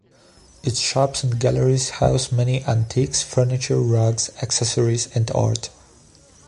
Its shops and galleries house many antiques, furniture, rugs, accessories and art.